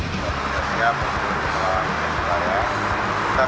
tidak siap untuk berkelanjutan